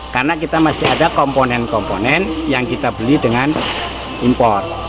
karena kita masih ada komponen komponen yang kita beli dengan impor